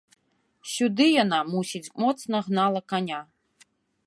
Сюды яна, мусіць, моцна гнала каня.